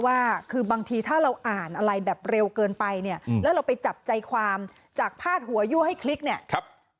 ว่าคือบางทีถ้าเราอ่านอะไรแบบเร็วเกินไปเนี่ยแล้วเราไปจับใจความจากพาดหัวยั่วให้คลิกเนี่ยครับ